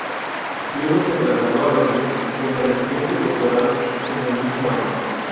Luego se trasladó a Berlín, donde recibió su doctorado en el mismo año.